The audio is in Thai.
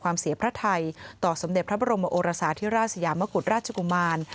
เสียพระไทยต่อสมเด็จพระบรมโอรสาธิราชสยามกุฎราชกุมาร